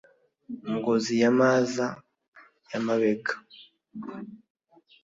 Ngozi ya Maza ya Mabega,